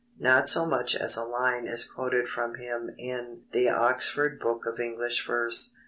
Not so much as a line is quoted from him in The Oxford Book of English Verse.